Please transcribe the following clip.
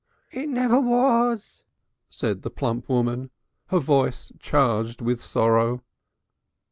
"It never was," said the plump woman, her voice charged with sorrow.